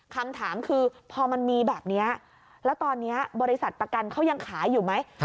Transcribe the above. คำถามคือพอมันมีแบบนี้แล้วตอนนี้บริษัทประกันเขายังขายอยู่ไหม